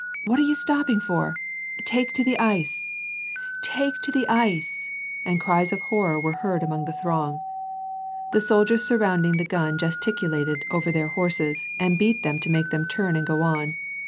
— "What are you stopping for?" —" T^e to the ice !"—" Take to the ice !" and cries of horror were heard among the throng. The soldiers surrounding the gun gesticulated over their horses, and beat them to make them turn and go on.